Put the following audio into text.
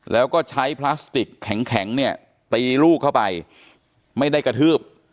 แล้วก็ใช้พลาสติกแข็งเนี่ยตีลูกเข้าไปไม่ได้กระทืบ